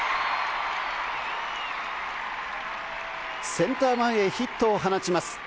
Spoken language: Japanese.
センター前へヒットを放ちます。